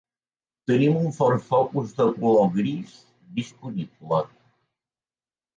Tenim un Ford Focus de color gris disponible.